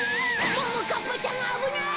ももかっぱちゃんあぶない！